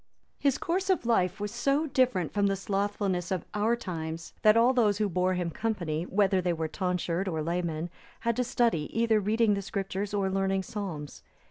His course of life was so different from the slothfulness of our times, that all those who bore him company, whether they were tonsured or laymen, had to study either reading the Scriptures, or learning psalms.